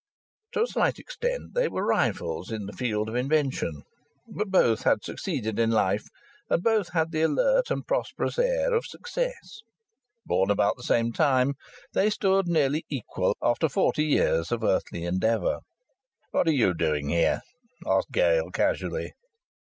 To a slight extent they were rivals in the field of invention. But both had succeeded in life, and both had the alert and prosperous air of success. Born about the same time, they stood nearly equal after forty years of earthly endeavour. "What are you doing here?" asked Gale, casually.